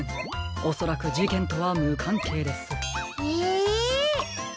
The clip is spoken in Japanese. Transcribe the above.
おそらくじけんとはむかんけいです。え。